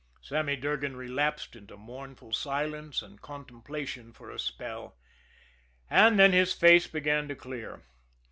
Sammy Durgan relapsed into mournful silence and contemplation for a spell and then his face began to clear.